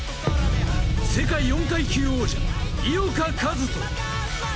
世界４階級王者、井岡一翔。